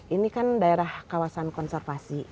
ini kan daerah kawasan konservasi